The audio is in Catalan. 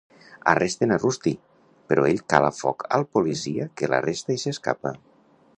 Arresten a Rusty, però ell cala foc al policia que l'arresta i s'escapa.